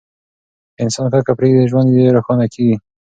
که انسان کرکه پریږدي، ژوند یې روښانه کیږي.